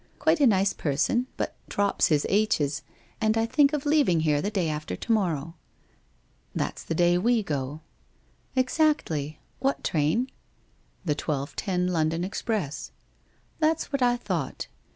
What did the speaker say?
Quite a nice person but drops his aitches ! And I think of leaving here the day after to morrow.' ' That's the day we go.' 'Exactly. What train?' ' The twelve ten London express.' 1 That's what I thought.